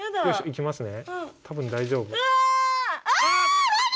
いきますね。